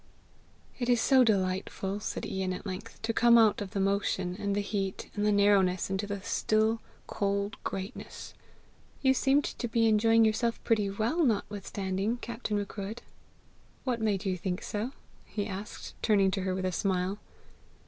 "It is so delightful," said Ian at length, "to come out of the motion and the heat and the narrowness into the still, cold greatness!" "You seemed to be enjoying yourself pretty well notwithstanding, Captain Macruadh!" "What made you think so?" he asked, turning to her with a smile.